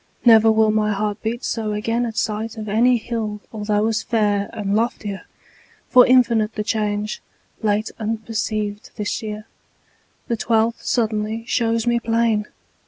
Never will My heart beat so again at sight Of any hill although as fair And loftier. For infinite The change, late unperceived, this year, The twelfth, suddenly, shows me plain.